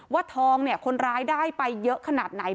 ทองเนี่ยคนร้ายได้ไปเยอะขนาดไหน